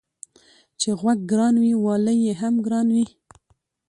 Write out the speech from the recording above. چي غوږ گران وي والى يې هم گران وي.